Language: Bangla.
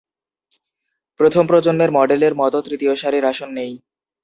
প্রথম প্রজন্মের মডেলের মতো, তৃতীয় সারির আসন নেই।